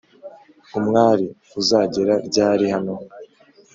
umwali uzagera ryari hano ?